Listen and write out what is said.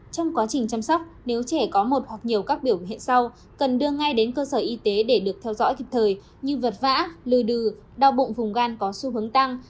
trong quá trình chăm sóc nếu trẻ có một hoặc nhiều các biểu hiện sau cần đưa ngay đến cơ sở y tế để được theo dõi kịp thời như vật vã lưu đừ đau bụng vùng gan có xu hướng tăng